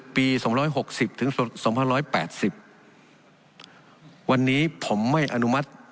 ปีสองร้อยหกสิบถึงสองห้าร้อยแปดสิบวันนี้ผมไม่อนุมัติ